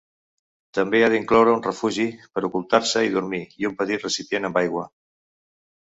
També ha d'incloure un refugi per ocultar-se i dormir i un petit recipient amb aigua.